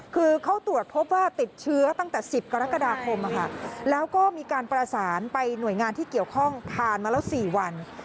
คือเขาตรวจพบว่าติดเชื้อตั้งแต่๑๐กรกฎาคมแล้วก็มีการประสานไปหน่วยงานที่เกี่ยวข้องผ่านมาแล้ว๔วัน